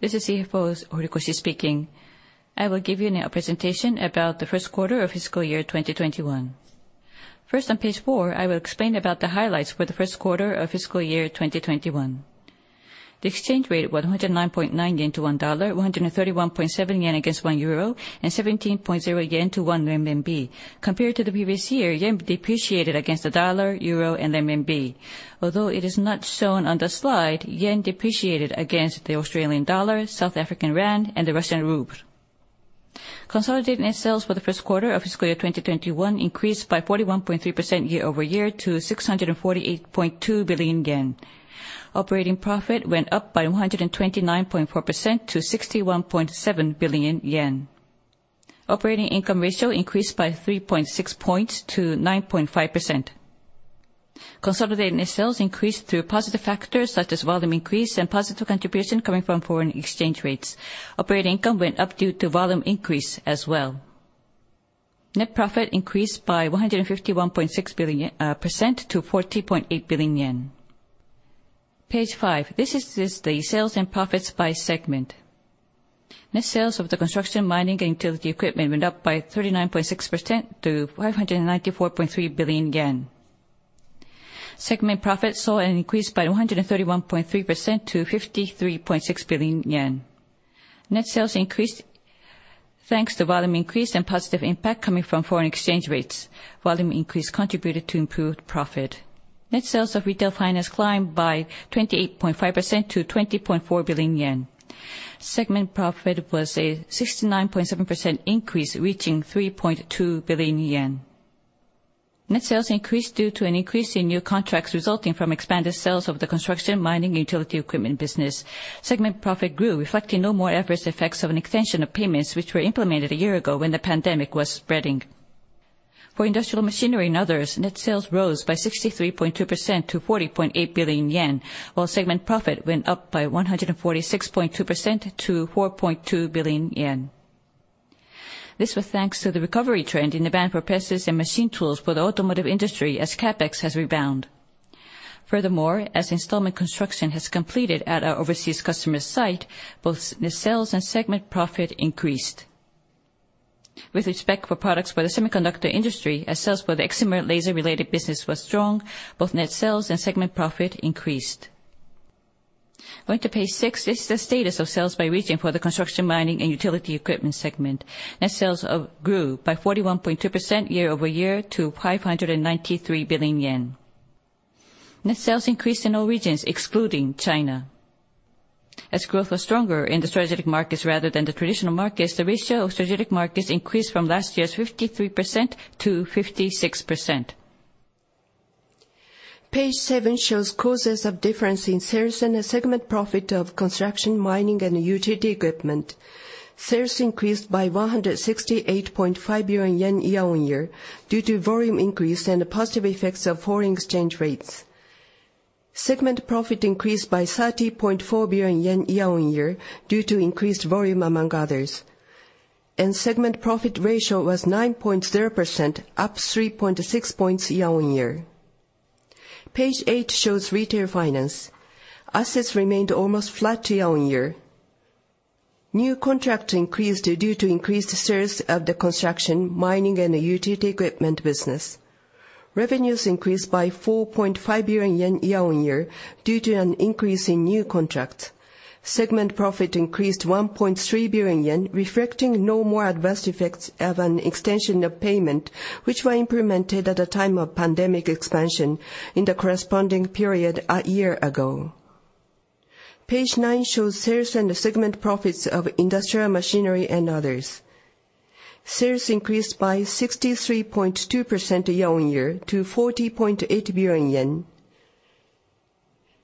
This is Takeshi Horikoshi speaking. I will give you now a presentation about the first quarter of fiscal year 2021. First, on page four, I will explain about the highlights for the first quarter of fiscal year 2021. The exchange rate, 109.9 yen to $1, 131.7 yen against 1 euro, and 17.0 yen to 1 renminbi. Compared to the previous year, JPY depreciated against the U.S. dollar, euro, and renminbi. Although it is not shown on the slide, JPY depreciated against the Australian dollar, South African rand, and the Russian ruble. Consolidated net sales for the first quarter of fiscal year 2021 increased by 41.3% year-over-year to 648.2 billion yen. Operating profit went up by 129.4% to 61.7 billion yen. Operating income ratio increased by 3.6 points to 9.5%. Consolidated net sales increased through positive factors such as volume increase and positive contribution coming from foreign exchange rates. Operating income went up due to volume increase as well. Net profit increased by 151.6% to 40.8 billion yen. Page five. This is the sales and profits by segment. Net sales of the construction, mining, and utility equipment went up by 39.6% to 594.3 billion yen. Segment profit saw an increase by 131.3% to 53.6 billion yen. Net sales increased thanks to volume increase and positive impact coming from foreign exchange rates. Volume increase contributed to improved profit. Net sales of retail finance climbed by 28.5% to 20.4 billion yen. Segment profit was a 69.7% increase, reaching 3.2 billion yen. Net sales increased due to an increase in new contracts resulting from expanded sales of the construction, mining, and utility equipment business. Segment profit grew, reflecting no more adverse effects of an extension of payments, which were implemented a year ago when the pandemic was spreading. For Industrial Machinery and Others, net sales rose by 63.2% to 40.8 billion yen, while segment profit went up by 146.2% to 4.2 billion yen. This was thanks to the recovery trend in the band for presses and machine tools for the automotive industry, as CapEx has rebound. Furthermore, as installment construction has completed at our overseas customer site, both net sales and segment profit increased. With respect for products for the semiconductor industry, as sales for the excimer laser-related business was strong, both net sales and segment profit increased. Going to page six, this is the status of sales by region for the Construction, Mining, and Utility Equipment segment. Net sales grew by 41.2% year-over-year to 593 billion yen. Net sales increased in all regions, excluding China. As growth was stronger in the strategic markets rather than the traditional markets, the ratio of strategic markets increased from last year's 53% -56%. Page seven shows causes of difference in sales and the segment profit of Construction, Mining, and Utility Equipment. Sales increased by 168.5 billion yen year-on-year due to volume increase and the positive effects of foreign exchange rates. Segment profit increased by 30.4 billion yen year-on-year due to increased volume, among others, and segment profit ratio was 9.0%, up 3.6 points year-on-year. Page eight shows Retail Finance. Assets remained almost flat year-on-year. New contract increased due to increased sales of the Construction, Mining, and Utility Equipment business. Revenues increased by 4.5 billion yen year-on-year due to an increase in new contracts. Segment profit increased 1.3 billion yen, reflecting no more adverse effects of an extension of payment, which were implemented at the time of pandemic expansion in the corresponding period a year ago. Page nine shows sales and segment profits of industrial machinery and others. Sales increased by 63.2% year-on-year to 40.8 billion yen.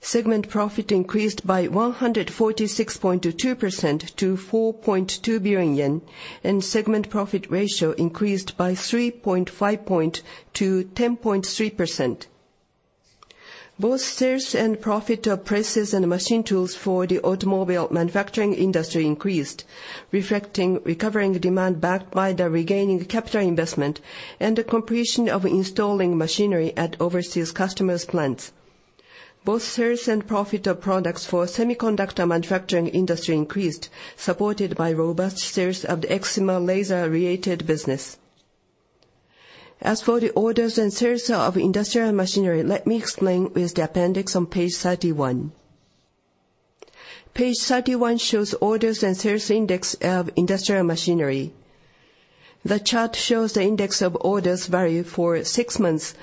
Segment profit increased by 146.2% to 4.2 billion yen, and segment profit ratio increased by 3.5 point to 10.3%. Both sales and profit of presses and machine tools for the automobile manufacturing industry increased, reflecting recovering demand backed by the regaining capital investment and the completion of installing machinery at overseas customers' plants. Both sales and profit of products for semiconductor manufacturing industry increased, supported by robust sales of the excimer laser-related business. As for the orders and sales of industrial machinery, let me explain with the appendix on page 31. Page 31 shows orders and sales index of industrial machinery. The chart shows the index of orders value for six months,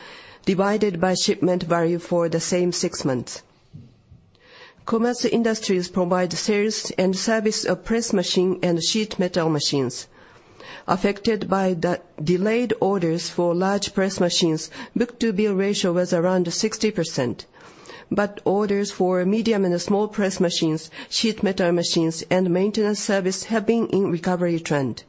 divided by shipment value for the same six months. Komatsu Industries provide sales and service of press machine and sheet-metal machines. Affected by the delayed orders for large press machines, book-to-bill ratio was around 60%, but orders for medium and small press machines, sheet-metal machines, and maintenance service have been in recovery trend.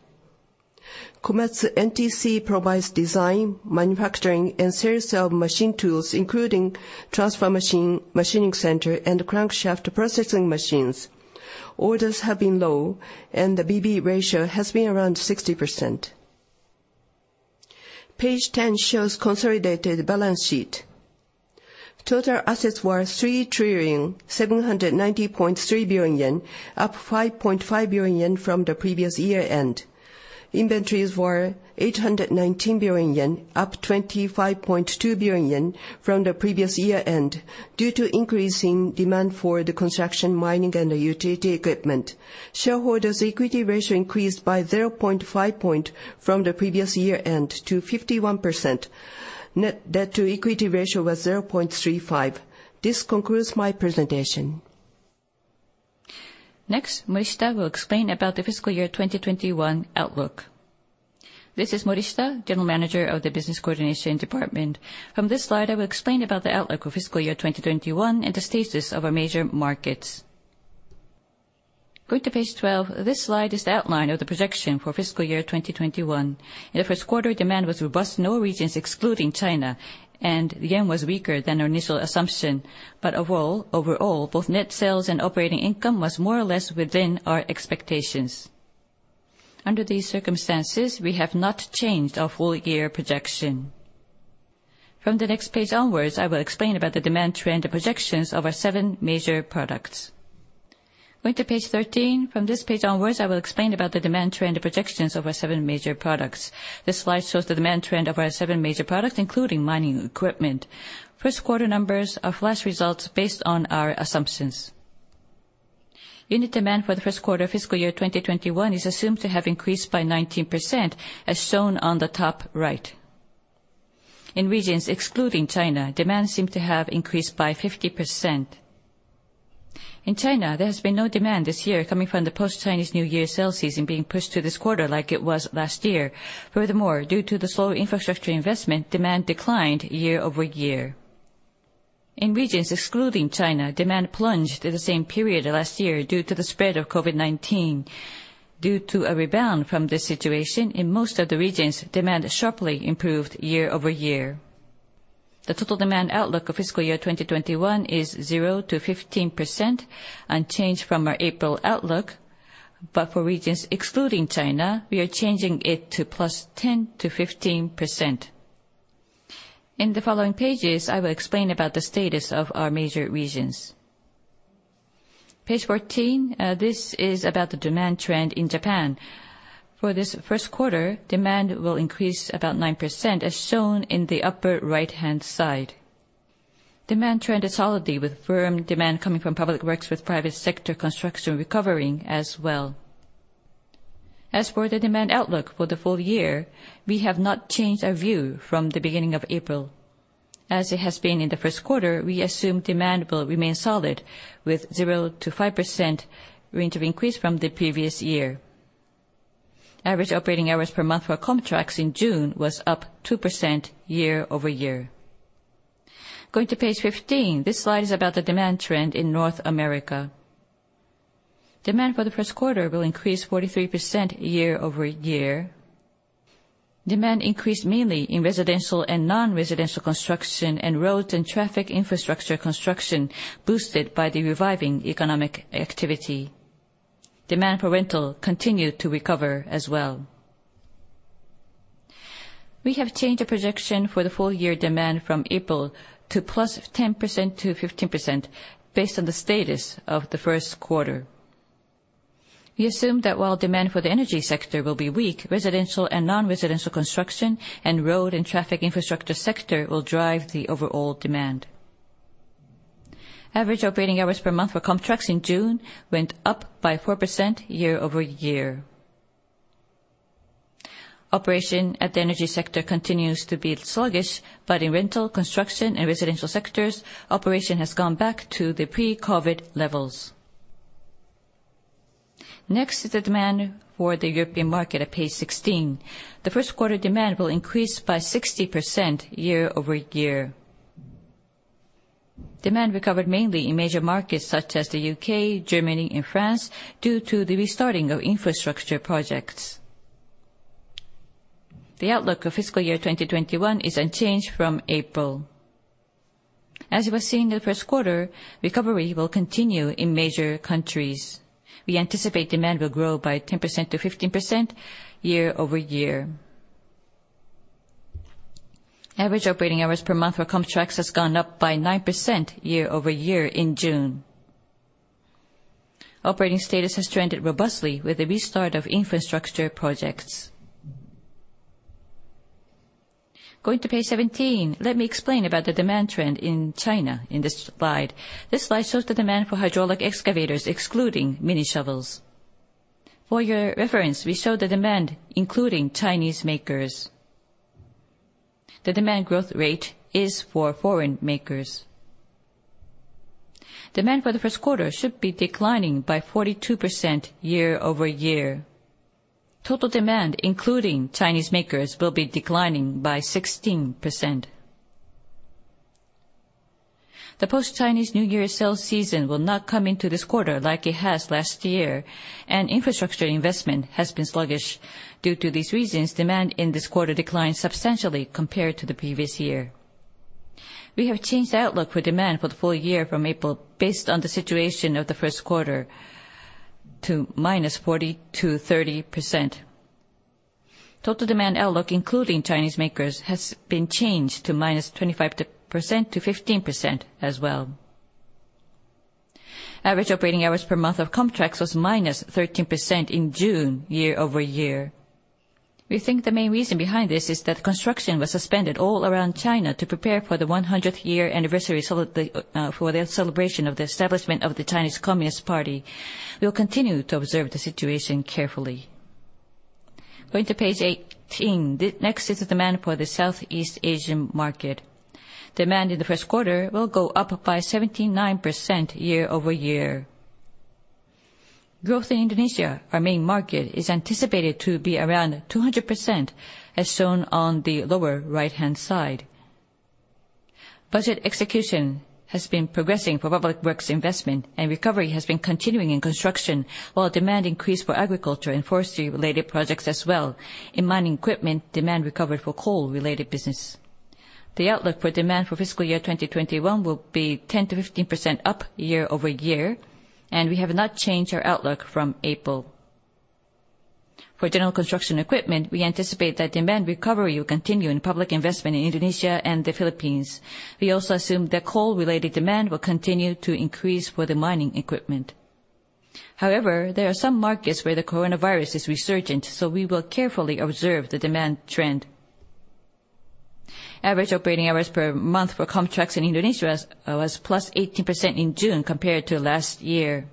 Komatsu NTC provides design, manufacturing, and sales of machine tools, including transfer machine, machining center, and crankshaft processing machines. Orders have been low, and the BB ratio has been around 60%. Page 10 shows consolidated balance sheet. Total assets were 3,790.3 billion yen, up 5.5 billion yen from the previous year-end. Inventories were 819 billion yen, up 25.2 billion yen from the previous year-end, due to increasing demand for the construction, mining, and utility equipment. Shareholders' equity ratio increased by 0.5 point from the previous year-end to 51%. Net debt to equity ratio was 0.35. This concludes my presentation. Next, Morishita will explain about the fiscal year 2021 outlook. This is Morishita, general manager of the business coordination department. From this slide, I will explain about the outlook for fiscal year 2021 and the status of our major markets. Going to page 12, this slide is the outline of the projection for fiscal year 2021. In the first quarter, demand was robust in all regions excluding China, and yen was weaker than our initial assumption. Overall, both net sales and operating income was more or less within our expectations. Under these circumstances, we have not changed our full year projection. From the next page onwards, I will explain about the demand trend and projections of our seven major products. Going to page 13. From this page onwards, I will explain about the demand trend and projections of our seven major products. This slide shows the demand trend of our seven major products, including mining equipment. First quarter numbers are flash results based on our assumptions. Unit demand for the first quarter fiscal year 2021 is assumed to have increased by 19%, as shown on the top right. In regions excluding China, demand seemed to have increased by 50%. In China, there has been no demand this year coming from the post-Chinese New Year sale season being pushed to this quarter like it was last year. Furthermore, due to the slow infrastructure investment, demand declined year-over-year. In regions excluding China, demand plunged in the same period last year due to the spread of COVID-19. Due to a rebound from this situation, in most of the regions, demand sharply improved year-over-year. The total demand outlook of fiscal year 2021 is 0%-15%, unchanged from our April outlook. For regions excluding China, we are changing it to +10% to +15%. In the following pages, I will explain about the status of our major regions. Page 14. This is about the demand trend in Japan. For this first quarter, demand will increase about 9%, as shown in the upper right-hand side. Demand trend is solidly with firm demand coming from public works, with private sector construction recovering as well. As for the demand outlook for the full year, we have not changed our view from the beginning of April. As it has been in the first quarter, we assume demand will remain solid with 0%-5% range of increase from the previous year. Average operating hours per month for KOMTRAX in June was up 2% year-over-year. Going to page 15. This slide is about the demand trend in North America. Demand for the first quarter will increase 43% year-over-year. Demand increased mainly in residential and non-residential construction and roads and traffic infrastructure construction boosted by the reviving economic activity. Demand for rental continued to recover as well. We have changed the projection for the full year demand from April to plus 10%-15% based on the status of the first quarter. We assume that while demand for the energy sector will be weak, residential and non-residential construction and road and traffic infrastructure sector will drive the overall demand. Average operating hours per month for KOMTRAX in June went up by 4% year-over-year. Operation at the energy sector continues to be sluggish, but in rental, construction, and residential sectors, operation has gone back to the pre-COVID levels. Next is the demand for the European market at page 16. The first quarter demand will increase by 60% year-over-year. Demand recovered mainly in major markets such as the U.K., Germany, and France due to the restarting of infrastructure projects. The outlook of fiscal year 2021 is unchanged from April. As you have seen in the first quarter, recovery will continue in major countries. We anticipate demand will grow by 10%-15% year-over-year. Average operating hours per month for KOMTRAX has gone up by 9% year-over-year in June. Operating status has trended robustly with the restart of infrastructure projects. Going to page 17. Let me explain about the demand trend in China in this slide. This slide shows the demand for hydraulic excavators, excluding mini shovels. For your reference, we show the demand including Chinese makers. The demand growth rate is for foreign makers. Demand for the first quarter should be declining by 42% year-over-year. Total demand, including Chinese makers, will be declining by 16%. The post-Chinese New Year sale season will not come into this quarter like it has last year. Infrastructure investment has been sluggish. Due to these reasons, demand in this quarter declined substantially compared to the previous year. We have changed the outlook for demand for the full year from April based on the situation of the first quarter to -40% to -30%. Total demand outlook, including Chinese makers, has been changed to -25% to -15% as well. Average operating hours per month of KOMTRAX was -13% in June year-over-year. We think the main reason behind this is that construction was suspended all around China to prepare for the 100th year anniversary for the celebration of the establishment of the Communist Party of China. We will continue to observe the situation carefully. Going to page 18. Next is the demand for the Southeast Asian market. Demand in the first quarter will go up by 79% year-over-year. Growth in Indonesia, our main market, is anticipated to be around 200%, as shown on the lower right-hand side. Budget execution has been progressing for public works investment, and recovery has been continuing in construction, while demand increased for agriculture and forestry-related projects as well. In mining equipment, demand recovered for coal-related business. The outlook for demand for fiscal year 2021 will be 10%-15% up year-over-year, and we have not changed our outlook from April. For general construction equipment, we anticipate that demand recovery will continue in public investment in Indonesia and the Philippines. We also assume that coal-related demand will continue to increase for the mining equipment. However, there are some markets where the coronavirus is resurgent, so we will carefully observe the demand trend. Average operating hours per month for KOMTRAX in Indonesia was +18% in June compared to last year.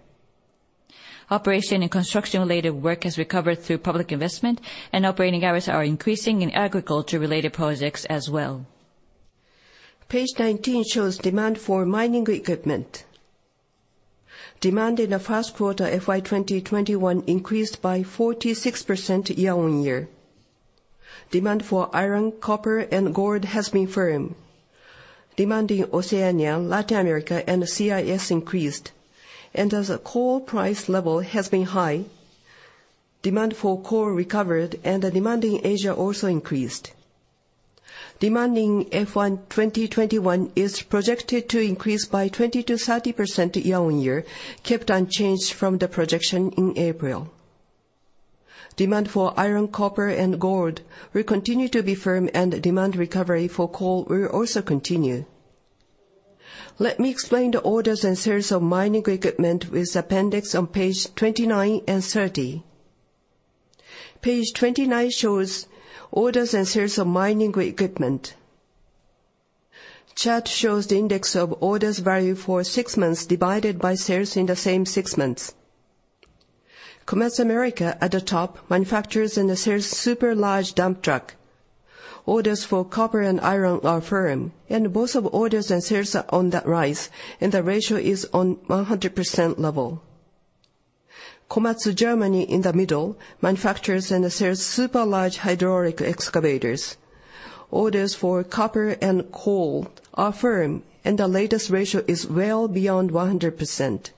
Operation and construction-related work has recovered through public investment, and operating hours are increasing in agriculture-related projects as well. Page 19 shows demand for mining equipment. Demand in the first quarter FY 2021 increased by 46% year-on-year. Demand for iron, copper, and gold has been firm. Demand in Oceania, Latin America, and CIS increased. As the coal price level has been high, demand for coal recovered and the demand in Asia also increased. Demand in FY 2021 is projected to increase by 20%-30% year-on-year, kept unchanged from the projection in April. Demand for iron, copper, and gold will continue to be firm, and demand recovery for coal will also continue. Let me explain the orders and sales of mining equipment with appendix on page 29 and 30. Page 29 shows orders and sales of mining equipment. Chart shows the index of orders value for six months divided by sales in the same six months. Komatsu America, at the top, manufactures and sells super large dump truck. Orders for copper and iron are firm, and both orders and sales are on the rise, and the ratio is on 100% level. Komatsu Germany, in the middle, manufactures and sells super large hydraulic excavators. Orders for copper and coal are firm, and the latest ratio is well beyond 100%.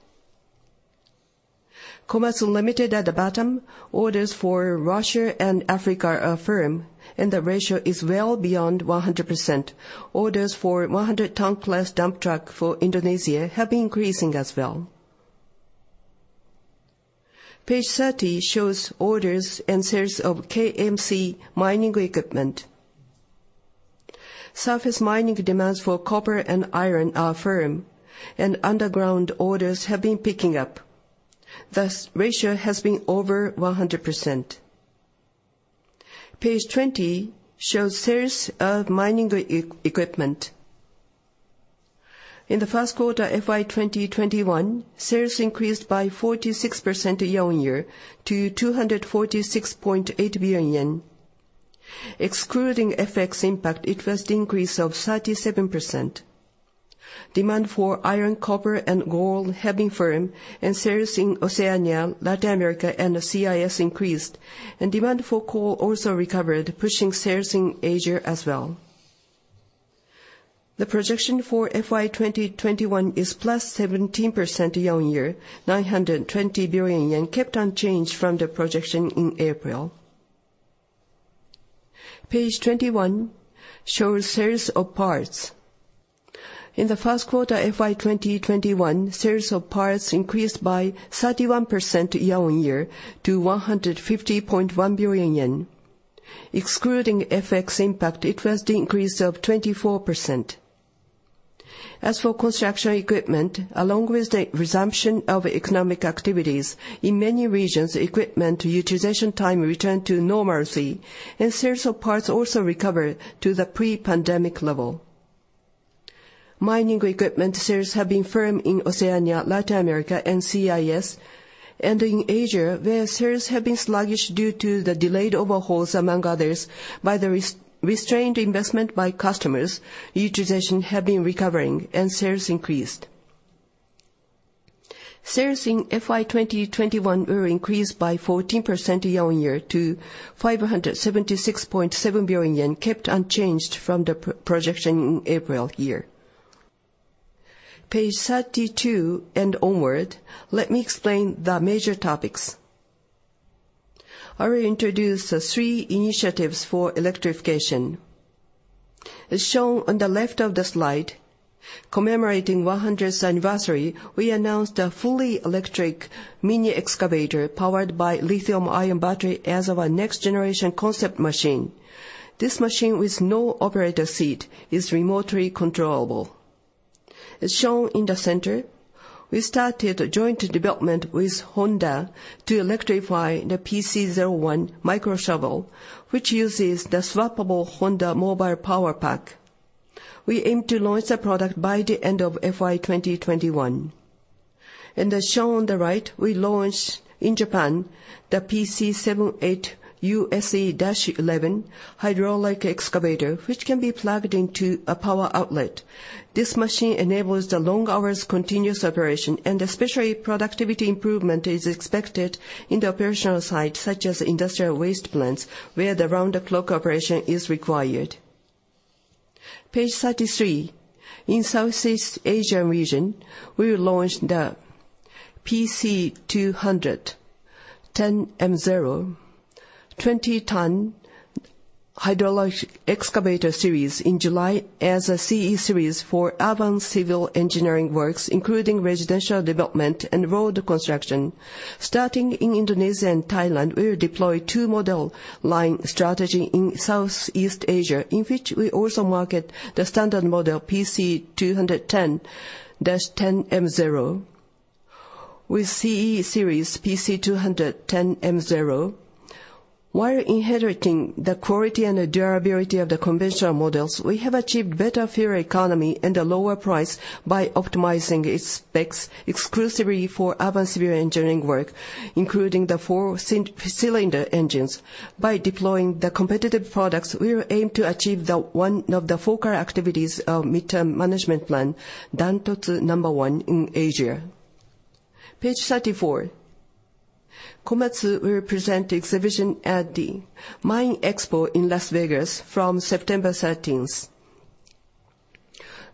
Komatsu Limited, at the bottom, orders for Russia and Africa are firm, and the ratio is well beyond 100%. Orders for 100-ton plus dump truck for Indonesia have been increasing as well. Page 30 shows orders and sales of KMC mining equipment. Surface mining demands for copper and iron are firm, and underground orders have been picking up. Thus, ratio has been over 100%. Page 20 shows sales of mining equipment. In the first quarter FY 2021, sales increased by 46% year-on-year to 246.8 billion yen. Excluding FX impact, it was the increase of 37%. Demand for iron, copper, and gold have been firm, sales in Oceania, Latin America, and the CIS increased, and demand for coal also recovered, pushing sales in Asia as well. The projection for FY 2021 is plus 17% year-on-year, 920 billion yen, kept unchanged from the projection in April. Page 21 shows sales of parts. In the first quarter FY 2021, sales of parts increased by 31% year-on-year to 150.1 billion yen. Excluding FX impact, it was the increase of 24%. As for construction equipment, along with the resumption of economic activities, in many regions, equipment utilization time returned to normalcy, and sales of parts also recovered to the pre-pandemic level. Mining equipment sales have been firm in Oceania, Latin America, and CIS, and in Asia, where sales have been sluggish due to the delayed overhauls, among others, by the restrained investment by customers, utilization have been recovering and sales increased. Sales in FY 2021 will increase by 14% year-on-year to 576.7 billion yen, kept unchanged from the projection in April year. Page 32 and onward, let me explain the major topics. I will introduce the three initiatives for electrification. As shown on the left of the slide, commemorating 100th anniversary, we announced a fully electric mini excavator powered by lithium-ion battery as our next generation concept machine. This machine, with no operator seat, is remotely controllable. As shown in the center, we started a joint development with Honda to electrify the PC01 micro shovel, which uses the swappable Honda Mobile Power Pack. We aim to launch the product by the end of FY 2021. As shown on the right, we launched in Japan the PC78US-11 hydraulic excavator, which can be plugged into a power outlet. This machine enables the long hours continuous operation, and especially productivity improvement is expected in the operational site, such as industrial waste plants, where the round-the-clock operation is required. Page 33. In Southeast Asia region, we launched the PC210M0 20-ton hydraulic excavator series in July as a CE series for urban civil engineering works, including residential development and road construction. Starting in Indonesia and Thailand, we will deploy two model line strategy in Southeast Asia, in which we also market the standard model, PC210-10M0. With CE series PC210M0. While inheriting the quality and durability of the conventional models, we have achieved better fuel economy and a lower price by optimizing its specs exclusively for urban civil engineering work, including the four cylinder engines. By deploying the competitive products, we will aim to achieve the one of the focal activities of mid-term management plan, Dantotsu number one in Asia. Page 34. Komatsu will present exhibition at the MINExpo in Las Vegas from September 13th.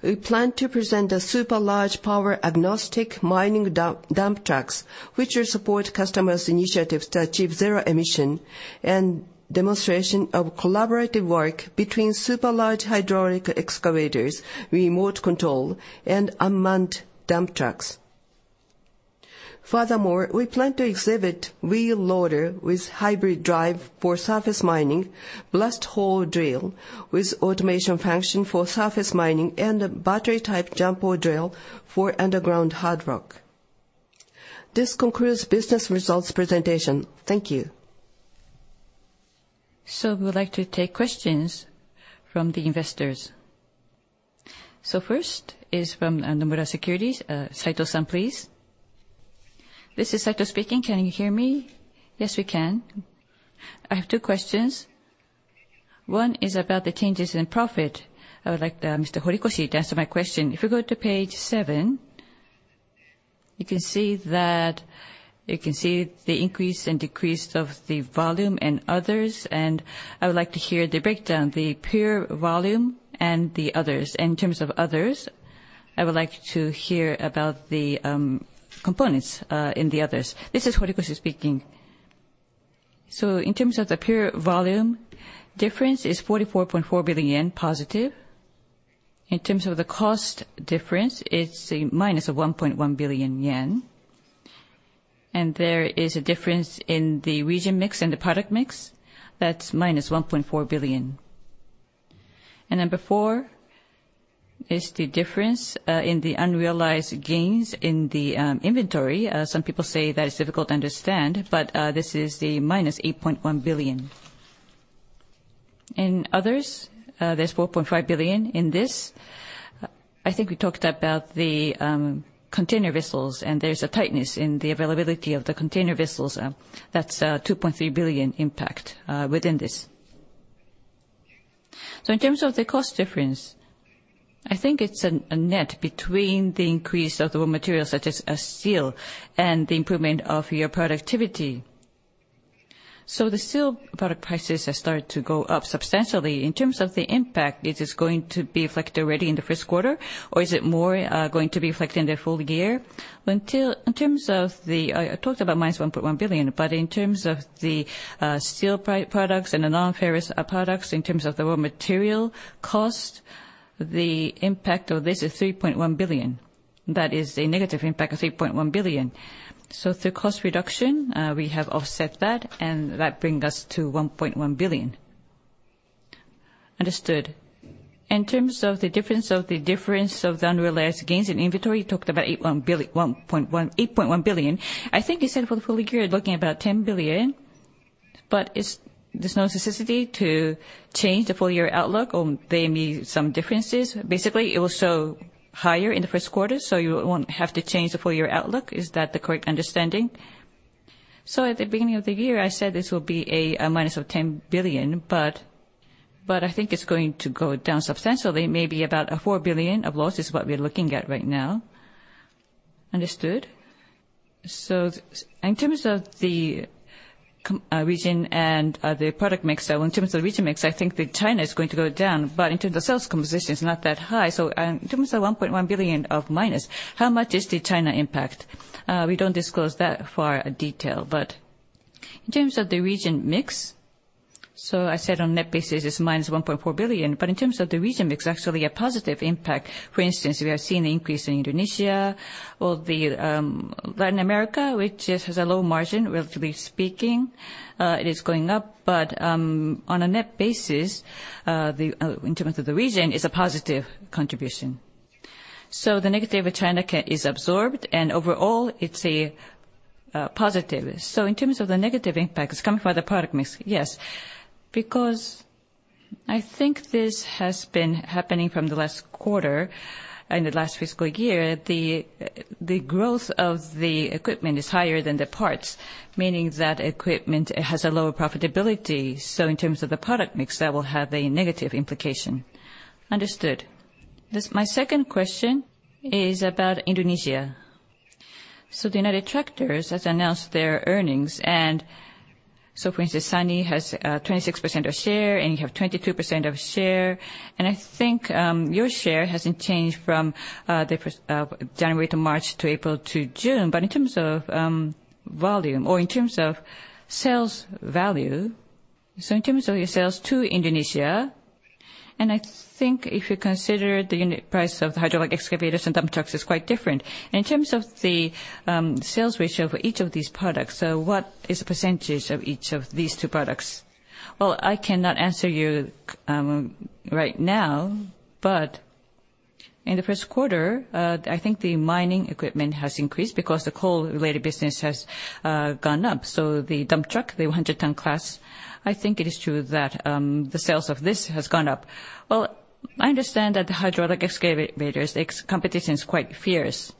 We plan to present a super large power agnostic mining dump trucks, which will support customers' initiatives to achieve zero emission, and demonstration of collaborative work between super large hydraulic excavators, remote control, and unmanned dump trucks. Furthermore, we plan to exhibit wheel loader with hybrid drive for surface mining, blast hole drill with automation function for surface mining, and a battery-type jumbo drill for underground hard rock. This concludes business results presentation. Thank you. We would like to take questions from the investors. First is from Nomura Securities, Saito, please. This is Saito speaking. Can you hear me? Yes, we can. I have two questions. One is about the changes in profit. I would like Mr. Horikoshi to answer my question. If you go to page seven, you can see the increase and decrease of the volume and others, and I would like to hear the breakdown, the pure volume and the others. In terms of others, I would like to hear about the components in the others. This is Horikoshi speaking. In terms of the pure volume, difference is 44.4 billion yen positive. In terms of the cost difference, it's a minus of 1.1 billion yen. There is a difference in the region mix and the product mix, that's -1.4 billion. Number four is the difference in the unrealized gains in the inventory. Some people say that it's difficult to understand, but this is the -8.1 billion. In others, there's 4.5 billion in this. I think we talked about the container vessels, and there's a tightness in the availability of the container vessels. That's a 2.3 billion impact within this. In terms of the cost difference, I think it's a net between the increase of raw materials, such as steel, and the improvement of your productivity. The steel product prices have started to go up substantially. In terms of the impact, is this going to be reflected already in the first quarter, or is it more going to be reflected in the full year? I talked about -1.1 billion. In terms of the steel products and the non-ferrous products, in terms of the raw material cost, the impact of this is 3.1 billion. That is a negative impact of 3.1 billion. Through cost reduction, we have offset that, and that bring us to 1.1 billion. Understood. In terms of the difference of the unrealized gains in inventory, you talked about 8.1 billion. I think you said for the full year, you're looking about 10 billion. There's no necessity to change the full year outlook or there may some differences. Basically, it will show higher in the first quarter, so you won't have to change the full year outlook. Is that the correct understanding? At the beginning of the year, I said this will be a minus of 10 billion, but I think it's going to go down substantially. Maybe about a 4 billion of loss is what we're looking at right now. Understood. In terms of the region and the product mix, so in terms of the region mix, I think that China is going to go down, but in terms of sales composition, it's not that high. In terms of 1.1 billion of minus, how much is the China impact? We don't disclose that far a detail, but in terms of the region mix, I said on net basis it's $1.4 billion. In terms of the region mix, actually a positive impact. For instance, we have seen an increase in Indonesia or Latin America, which has a low margin, relatively speaking. It is going up, but on a net basis, in terms of the region, it's a positive contribution. The negative China is absorbed and overall, it's a positive. In terms of the negative impact, it's coming from the product mix. Yes. Because I think this has been happening from the last quarter, in the last fiscal year, the growth of the equipment is higher than the parts, meaning that equipment has a lower profitability. In terms of the product mix, that will have a negative implication. Understood. My second question is about Indonesia. United Tractors has announced their earnings, for instance, SANY has 26% of share, and you have 22% of share. I think your share hasn't changed from January to March to April to June. In terms of volume or in terms of sales value, in terms of your sales to Indonesia, I think if you consider the unit price of the hydraulic excavators and dump trucks is quite different. In terms of the sales ratio for each of these products, what is the percentage of each of these two products? Well, I cannot answer you right now, but in the first quarter, I think the mining equipment has increased because the coal-related business has gone up. The dump truck, the 100-ton class, I think it is true that the sales of this has gone up. I understand that the hydraulic excavators, its competition is quite fierce.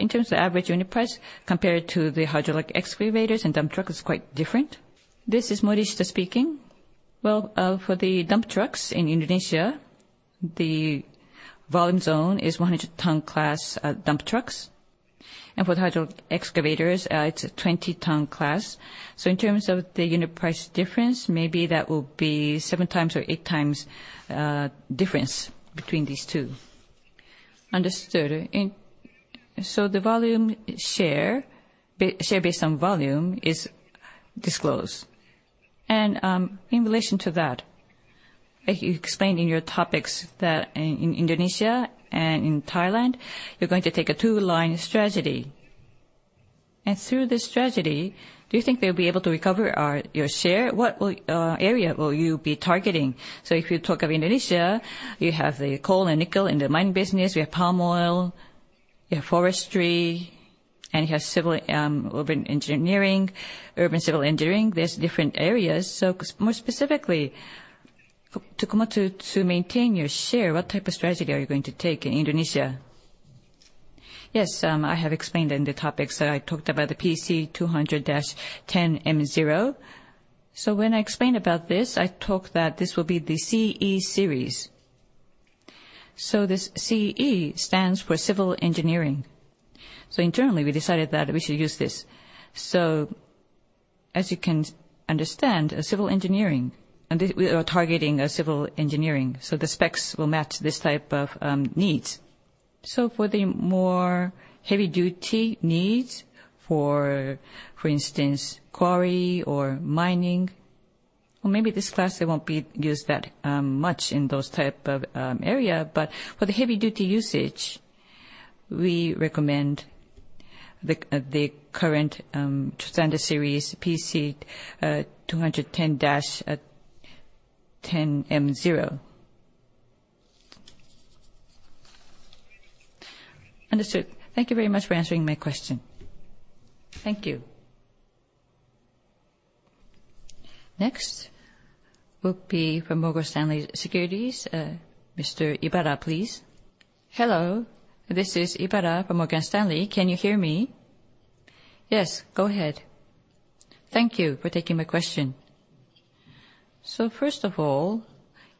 In terms of average unit price, compared to the hydraulic excavators and dump truck, it's quite different. This is Morishita speaking. For the dump trucks in Indonesia, the volume zone is 100-ton class dump trucks. For the hydraulic excavators, it's a 20-ton class. In terms of the unit price difference, maybe that will be 7x or 8x difference between these two. Understood. The share based on volume is disclosed. In relation to that, you explained in your topics that in Indonesia and in Thailand, you're going to take a two-line strategy. Through this strategy, do you think they'll be able to recover your share? What area will you be targeting? If you talk of Indonesia, you have the coal and nickel in the mining business, you have palm oil, you have forestry, and you have urban civil engineering. There's different areas. More specifically, to maintain your share, what type of strategy are you going to take in Indonesia? Yes, I have explained in the topics. I talked about the PC200-10M0. When I explained about this, I talked that this will be the CE series. This CE stands for civil engineering. Internally, we decided that we should use this. As you can understand, civil engineering, and we are targeting civil engineering. The specs will match this type of needs. For the more heavy-duty needs, for instance, quarry or mining, or maybe this class, they won't be used that much in those type of area. For the heavy-duty usage, we recommend the current standard series, PC210-10M0. Understood. Thank you very much for answering my question. Thank you. Next will be from Morgan Stanley Securities, Mr. Ibara, please. Hello, this is Ibara from Morgan Stanley. Can you hear me? Yes, go ahead. Thank you for taking my question. First of all,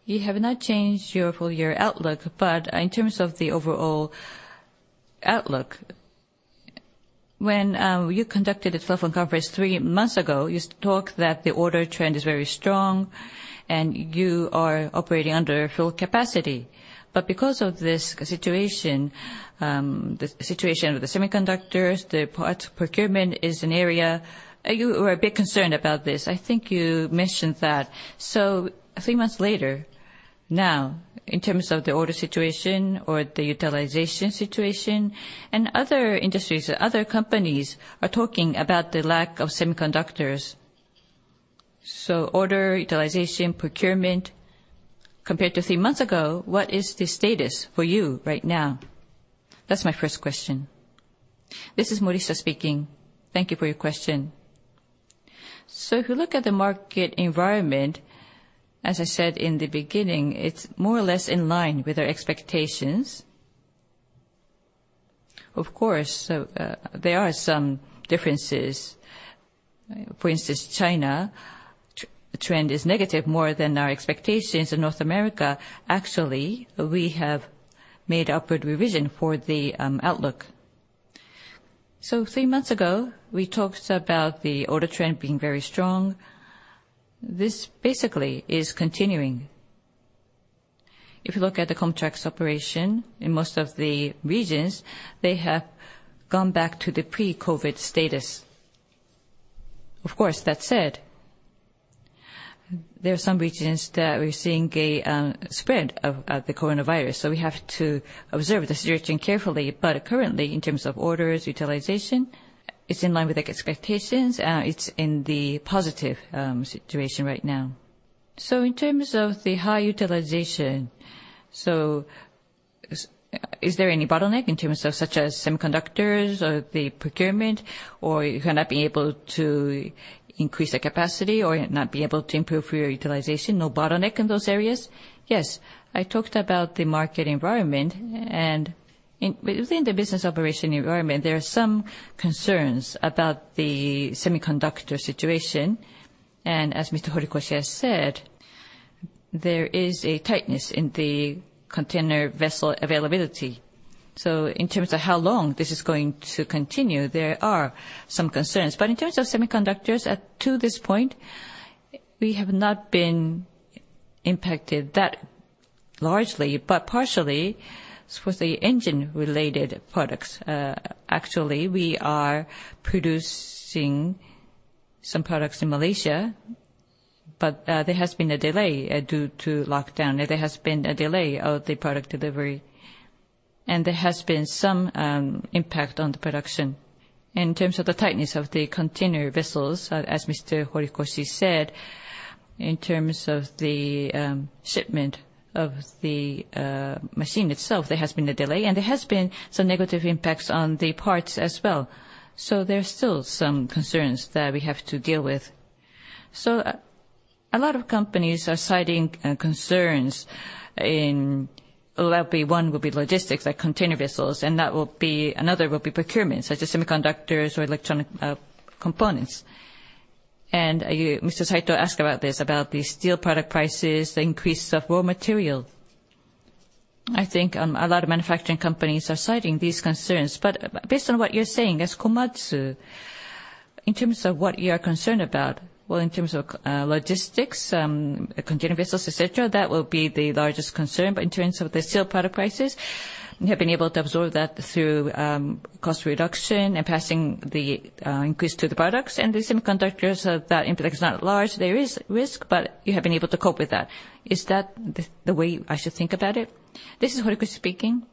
you have not changed your full-year outlook, in terms of the overall outlook, when you conducted a telephone conference three months ago, you talked that the order trend is very strong and you are operating under full capacity. Because of this situation, the situation with the semiconductors, the parts procurement is an area, you were a bit concerned about this. I think you mentioned that. Three months later, now, in terms of the order situation or the utilization situation, and other industries or other companies are talking about the lack of semiconductors. Order utilization, procurement, compared to three months ago, what is the status for you right now? That's my first question. This is Morishita speaking. Thank you for your question. If you look at the market environment, as I said in the beginning, it's more or less in line with our expectations. Of course, there are some differences. For instance, China, trend is negative more than our expectations. In North America, actually, we have made upward revision for the outlook. Three months ago, we talked about the order trend being very strong. This basically is continuing. If you look at the contracts operation in most of the regions, they have gone back to the pre-COVID status. Of course, that said, there are some regions that we're seeing a spread of the coronavirus. We have to observe the situation carefully. Currently, in terms of orders, utilization, it's in line with the expectations. It's in the positive situation right now. In terms of the high utilization, is there any bottleneck in terms of such as semiconductors or the procurement, or you cannot be able to increase the capacity or not be able to improve your utilization? No bottleneck in those areas? Yes, I talked about the market environment, within the business operation environment, there are some concerns about the semiconductor situation. As Mr. Horikoshi has said, there is a tightness in the container vessel availability. In terms of how long this is going to continue, there are some concerns. In terms of semiconductors, to this point, we have not been impacted that largely, but partially with the engine-related products. Actually, we are producing some products in Malaysia, but there has been a delay due to lockdown. There has been a delay of the product delivery, and there has been some impact on the production. In terms of the tightness of the container vessels, as Mr. Horikoshi said, in terms of the shipment of the machine itself, there has been a delay, and there has been some negative impacts on the parts as well. There's still some concerns that we have to deal with. A lot of companies are citing concerns. One will be logistics, like container vessels, and another will be procurement, such as semiconductors or electronic components. Mr. Saito asked about this, about the steel product prices, the increase of raw material. I think a lot of manufacturing companies are citing these concerns. Based on what you're saying, as Komatsu, in terms of what you are concerned about, well, in terms of logistics, container vessels, et cetera, that will be the largest concern. In terms of the steel product prices, you have been able to absorb that through cost reduction and passing the increase to the products. The semiconductors, that impact is not large. There is risk, but you have been able to cope with that. Is that the way I should think about it? This is Horikoshi speaking.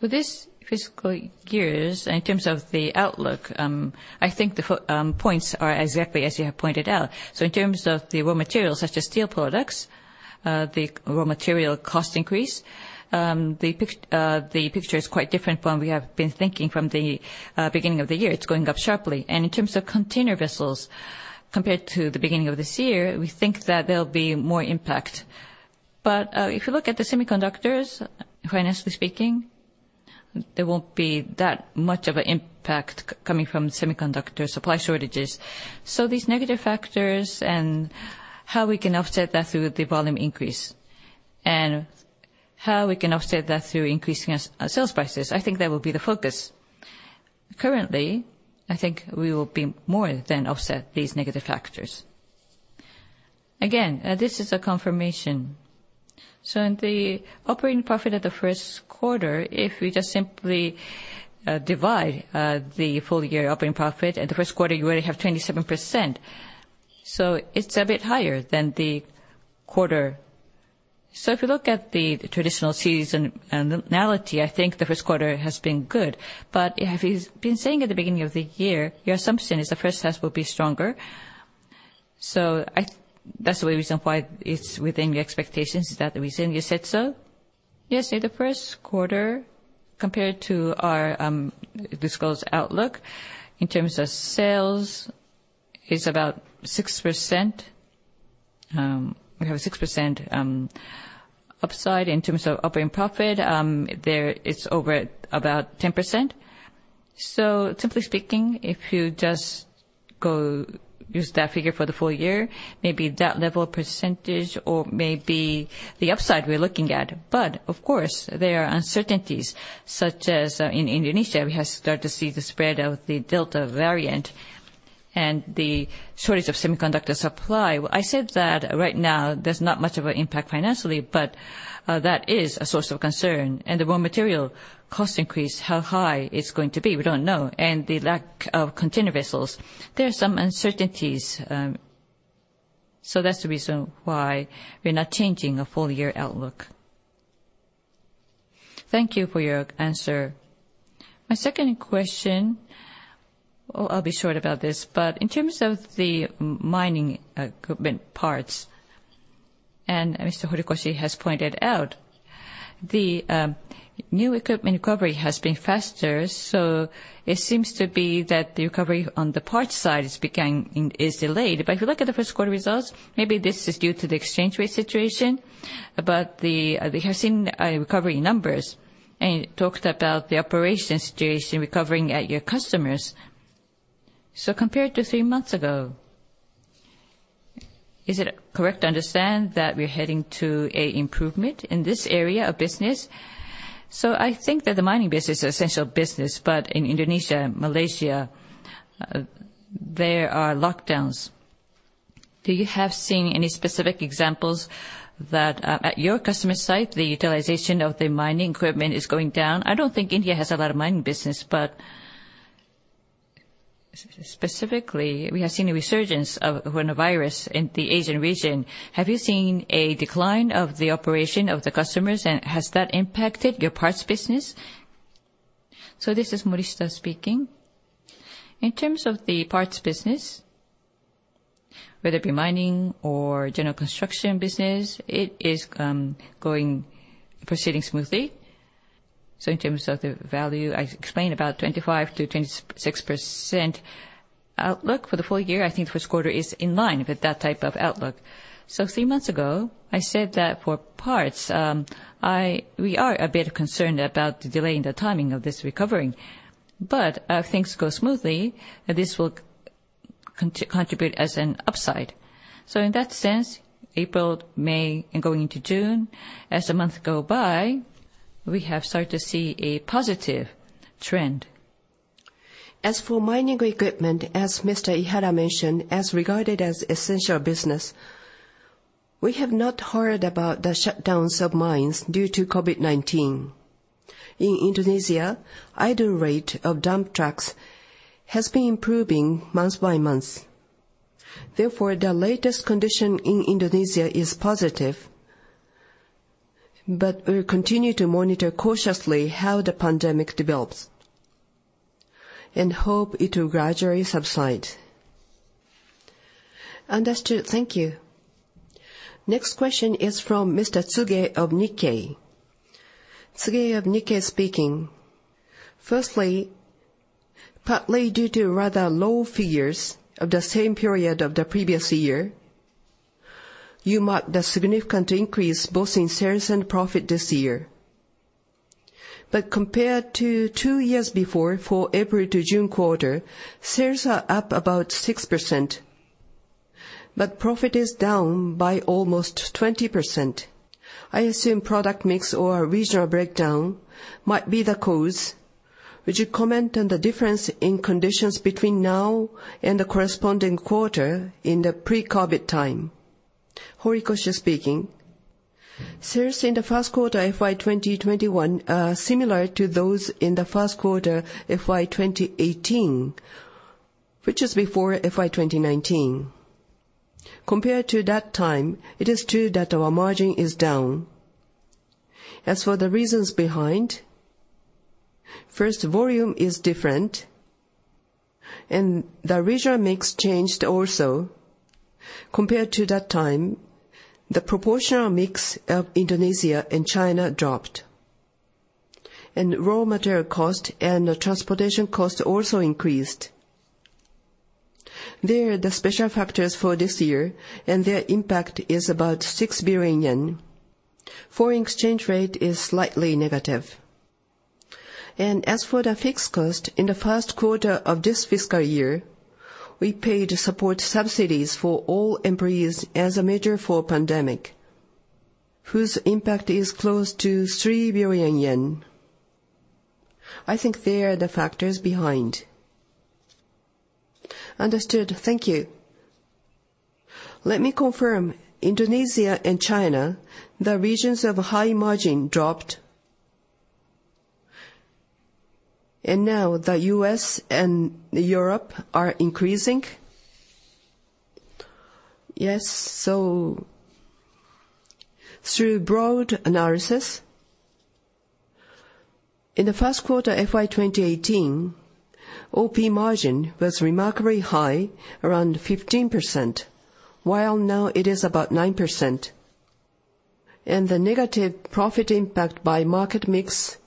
For this fiscal years, in terms of the outlook, I think the points are exactly as you have pointed out. In terms of the raw materials, such as steel products, the raw material cost increase, the picture is quite different from we have been thinking from the beginning of the year. It's going up sharply. In terms of container vessels, compared to the beginning of this year, we think that there'll be more impact. If you look at the semiconductors, financially speaking, there won't be that much of an impact coming from semiconductor supply shortages. These negative factors and how we can offset that through the volume increase, and how we can offset that through increasing our sales prices, I think that will be the focus. Currently, I think we will more than offset these negative factors. Again, this is a confirmation. In the operating profit of the first quarter, if we just simply divide the full-year operating profit and the first quarter, you already have 27%. It's a bit higher than the quarter. If you look at the traditional seasonality, I think the first quarter has been good. If you've been saying at the beginning of the year, your assumption is the 1st half will be stronger. That's the reason why it's within the expectations. Is that the reason you said so? Yes. In the first quarter compared to our disclosed outlook in terms of sales is about 6%. We have a 6% upside. In terms of operating profit, it's over about 10%. Simply speaking, if you just use that figure for the full year, maybe that level of percentage or maybe the upside we're looking at. Of course, there are uncertainties, such as in Indonesia, we have started to see the spread of the Delta variant and the shortage of semiconductor supply. I said that right now there's not much of an impact financially, but that is a source of concern. The raw material cost increase, how high it's going to be, we don't know. The lack of container vessels. There are some uncertainties. That's the reason why we're not changing a full-year outlook. Thank you for your answer. My second question, I'll be short about this, but in terms of the mining equipment parts, and Mr. Horikoshi has pointed out, the new equipment recovery has been faster, so it seems to be that the recovery on the parts side is delayed. If you look at the first quarter results, maybe this is due to the exchange rate situation, but we have seen recovery numbers and talked about the operation situation recovering at your customers. Compared to three months ago, is it correct to understand that we're heading to an improvement in this area of business? I think that the mining business is essential business, but in Indonesia and Malaysia, there are lockdowns Do you have seen any specific examples that at your customer site, the utilization of the mining equipment is going down? I don't think India has a lot of mining business, but specifically, we have seen a resurgence of coronavirus in the Asian region. Have you seen a decline of the operation of the customers, and has that impacted your parts business? This is Morishita speaking. In terms of the parts business, whether it be mining or general construction business, it is proceeding smoothly. In terms of the value, I explained about 25%-26% outlook for the full year. I think first quarter is in line with that type of outlook. Three months ago, I said that for parts, we are a bit concerned about the delay in the timing of this recovery. If things go smoothly, this will contribute as an upside. In that sense, April, May, and going into June, as the months go by, we have started to see a positive trend. As for mining equipment, as Mr. Ibara mentioned, as regarded as essential business, we have not heard about the shutdowns of mines due to COVID-19. In Indonesia, idle rate of dump trucks has been improving month by month. Therefore, the latest condition in Indonesia is positive. We'll continue to monitor cautiously how the pandemic develops, and hope it will gradually subside. Understood. Thank you. Next question is from Mr. Tsuge of Nikkei. Tsuge of Nikkei speaking. Firstly, partly due to rather low figures of the same period of the previous year, you mark the significant increase both in sales and profit this year. Compared to two years before, for April to June quarter, sales are up about 6%, but profit is down by almost 20%. I assume product mix or regional breakdown might be the cause. Would you comment on the difference in conditions between now and the corresponding quarter in the pre-COVID time? Horikoshi speaking. Sales in the first quarter FY 2021 are similar to those in the first quarter FY 2018, which is before FY 2019. Compared to that time, it is true that our margin is down. As for the reasons behind, first, volume is different and the regional mix changed also. Compared to that time, the proportional mix of Indonesia and China dropped, and raw material cost and transportation cost also increased. They are the special factors for this year, and their impact is about 6 billion yen. Foreign exchange rate is slightly negative. As for the fixed cost, in the first quarter of this fiscal year, we paid support subsidies for all employees as a measure for pandemic, whose impact is close to 3 billion yen. I think they are the factors behind. Understood. Thank you. Let me confirm. Indonesia and China, the regions of high margin dropped. Now, the U.S. and Europe are increasing? Yes. Through broad analysis, in the first quarter FY 2018, operating margin was remarkably high, around 15%, while now it is about 9%. The negative profit impact by market mix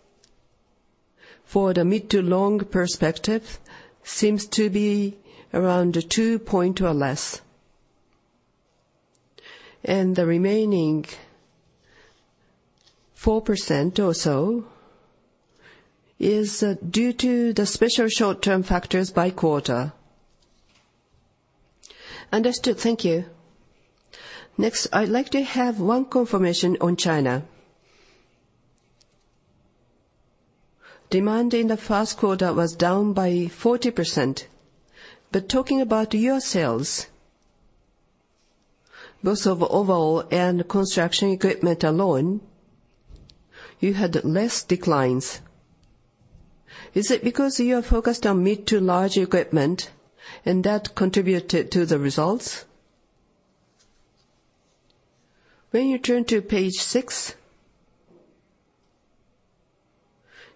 for the mid to long perspective seems to be around two point or less. The remaining 4% or so is due to the special short-term factors by quarter. Understood. Thank you. I'd like to have one confirmation on China. Demand in the first quarter was down by 40%, talking about your sales, both of overall and construction equipment alone, you had less declines. Is it because you are focused on mid to large equipment, and that contributed to the results? When you turn to page six,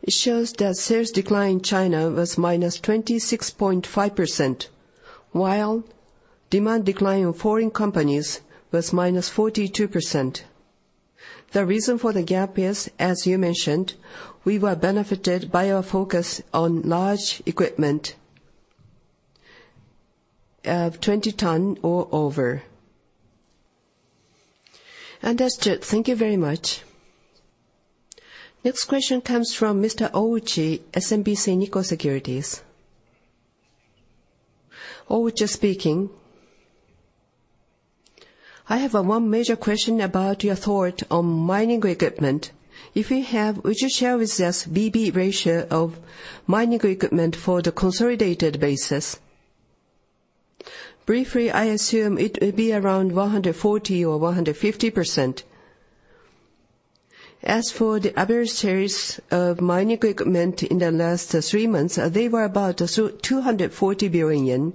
it shows that sales decline in China was -26.5%, while demand decline in foreign companies was -42%. The reason for the gap is, as you mentioned, we were benefited by our focus on large equipment of 20 tons or over. Understood. Thank you very much. Next question comes from Mr. Ouchi, SMBC Nikko Securities. Ouchi speaking. I have one major question about your thought on mining equipment. If you have, would you share with us BB ratio of mining equipment for the consolidated basis? Briefly, I assume it will be around 140% or 150%. As for the other series of mining equipment in the last three months, they were about 240 billion yen.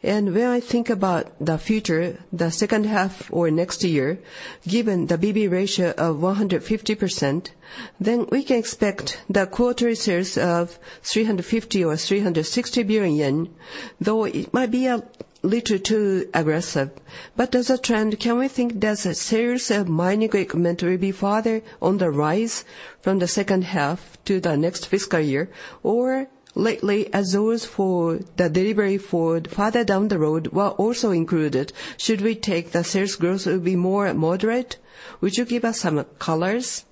When I think about the future, the second half or next year, given the BB ratio of 150%, then we can expect the quarterly series of 350 billion or 360 billion yen, though it might be a little too aggressive. As a trend, can we think that sales mining equipment will be farther on the rise from the second half to the next fiscal year? Lately, as those for the delivery for farther down the road were also included, should we take the sales growth will be more moderate? Would you give us some colors?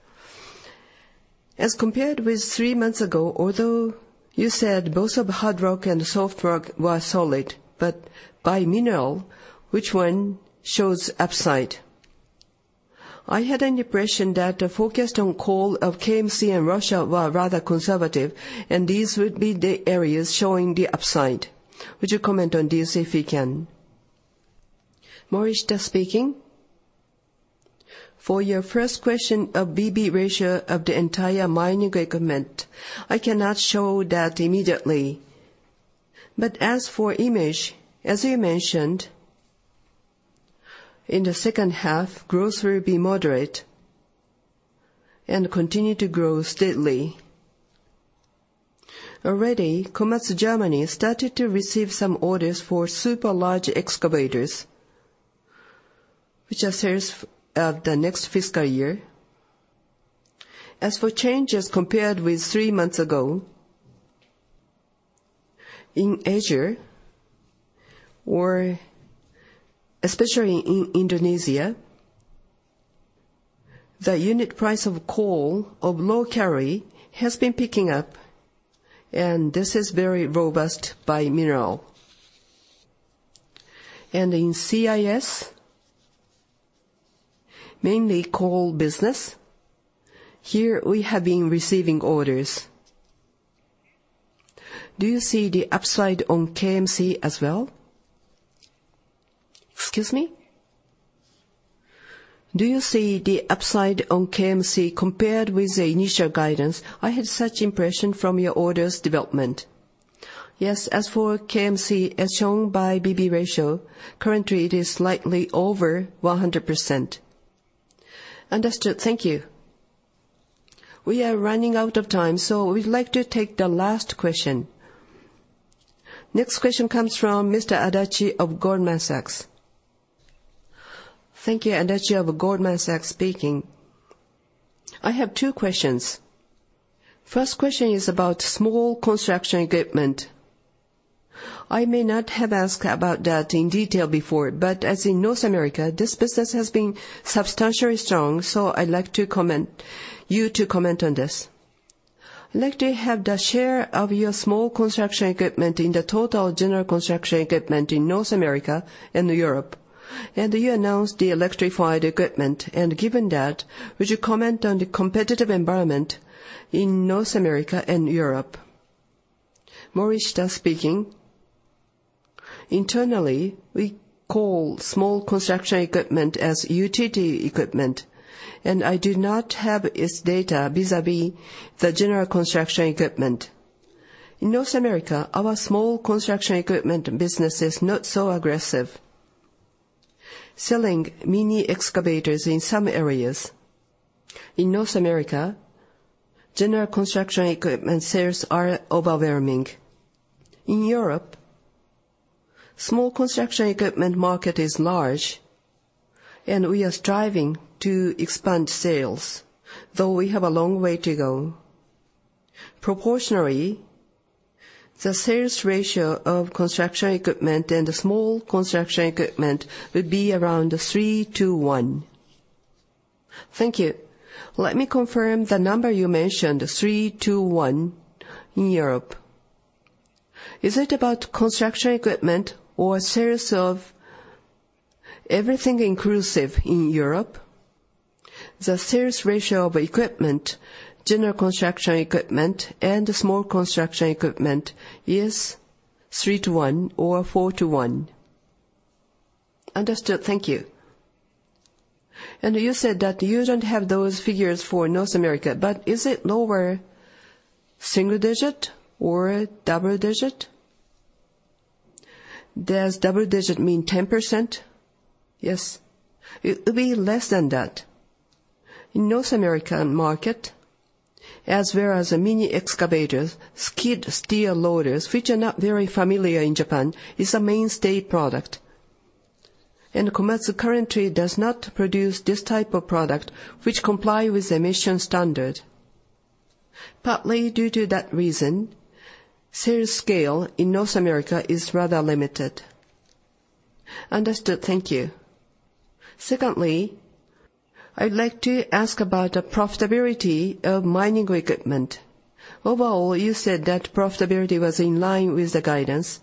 As compared with three months ago, although you said both hard rock and soft rock were solid, but by mineral, which one shows upside? I had an impression that a forecast on coal of KMC in Russia were rather conservative, and these would be the areas showing the upside. Would you comment on this, if you can? Morishita speaking. For your first question of BB ratio of the entire mining equipment, I cannot show that immediately. As for image, as you mentioned, in the second half, growth will be moderate and continue to grow steadily. Already, Komatsu Germany started to receive some orders for super large excavators, which are sales of the next fiscal year. As for changes compared with three months ago, in Asia, or especially in Indonesia, the unit price of coal of low calorie has been picking up, this is very robust by mineral. In CIS, mainly coal business, here we have been receiving orders. Do you see the upside on KMC as well? Excuse me? Do you see the upside on KMC compared with the initial guidance? I had such impression from your orders development. Yes. As for KMC, as shown by BB ratio, currently it is slightly over 100%. Understood. Thank you. We are running out of time, so we'd like to take the last question. Next question comes from Mr. Adachi of Goldman Sachs. Thank you. Adachi of Goldman Sachs speaking. I have two questions. First question is about small construction equipment. I may not have asked about that in detail before. As in North America, this business has been substantially strong, I'd like you to comment on this. I'd like to have the share of your small construction equipment in the total general construction equipment in North America and Europe. You announced the electrified equipment. Given that, would you comment on the competitive environment in North America and Europe? Morishita speaking. Internally, we call small construction equipment as utility equipment, I do not have its data vis-à-vis the general construction equipment. In North America, our small construction equipment business is not so aggressive. Selling mini excavators in some areas. In North America, general construction equipment sales are overwhelming. In Europe, small construction equipment market is large. We are striving to expand sales, though we have a long way to go. Proportionally, the sales ratio of construction equipment and the small construction equipment would be around 3:1. Thank you. Let me confirm the number you mentioned, 3:1 in Europe. Is it about construction equipment or sales of everything inclusive in Europe? The sales ratio of equipment, general construction equipment, and small construction equipment is 3:1 or 4:1. Understood. Thank you. You said that you don't have those figures for North America, but is it lower single digit or double digit? Does double digit mean 10%? Yes. It would be less than that. In North American market, as well as mini excavators, skid steer loaders, which are not very familiar in Japan, is a mainstay product. Komatsu currently does not produce this type of product which comply with emission standard. Partly due to that reason, sales scale in North America is rather limited. Understood. Thank you. Secondly, I'd like to ask about the profitability of mining equipment. Overall, you said that profitability was in line with the guidance,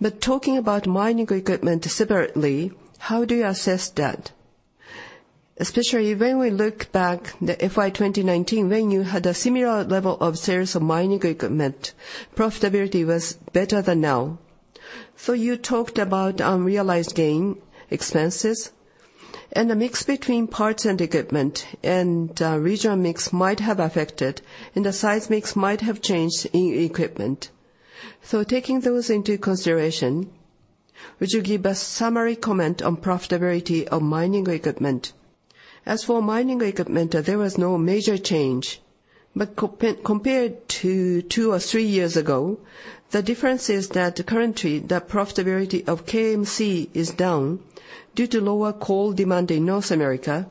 but talking about mining equipment separately, how do you assess that? Especially when we look back the FY 2019, when you had a similar level of sales of mining equipment, profitability was better than now. You talked about unrealized gain, expenses, and the mix between parts and equipment, and regional mix might have affected, and the size mix might have changed in equipment. Taking those into consideration, would you give a summary comment on profitability of mining equipment? As for mining equipment, there was no major change. Compared to two or three years ago, the difference is that currently the profitability of KMC is down due to lower coal demand in North America,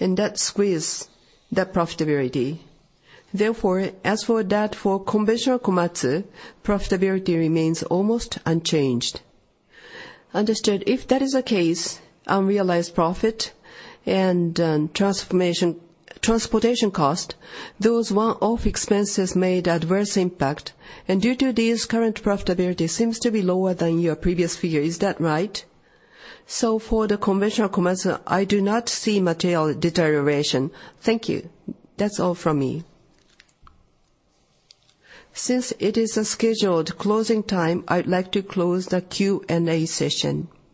and that squeezed the profitability. Therefore, as for that, for conventional Komatsu, profitability remains almost unchanged. Understood. If that is the case, unrealized profit and transportation cost, those one-off expenses made adverse impact. Due to this, current profitability seems to be lower than your previous figure. Is that right? For the conventional Komatsu, I do not see material deterioration. Thank you. That's all from me. Since it is the scheduled closing time, I'd like to close the Q&A session.